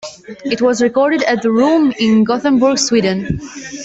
It was recorded at "The Room" in Gothenburg, Sweden.